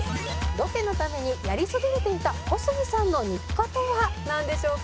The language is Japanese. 「ロケのためにやりそびれていた小杉さんの日課とはなんでしょうか？」